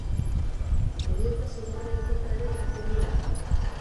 Heriotza zigorraren kontra ere egiten du lan.